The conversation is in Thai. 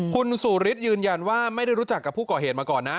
คุณสุริยืนยันว่าไม่ได้รู้จักกับผู้ก่อเหตุมาก่อนนะ